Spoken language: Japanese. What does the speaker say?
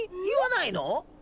言わないの？